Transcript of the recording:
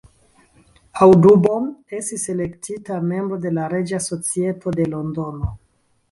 Audubon estis elektita membro de la Reĝa Societo de Londono.